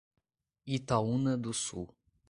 Itaúna do Sul